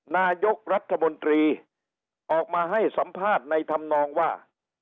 นายกรัฐมนตรีออกมาให้สัมภาษณ์ในธรรมนองว่า